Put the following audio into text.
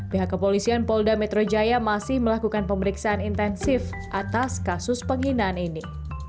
pihak kepolisian polda metro jaya masih melakukan pemeriksaan intensif atas kasus penghinaan ini